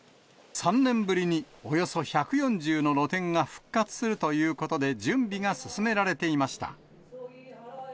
３年ぶりにおよそ１４０の露店が復活するということで準備が進められていました。